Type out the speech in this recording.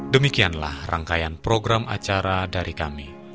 demikianlah rangkaian program acara dari kami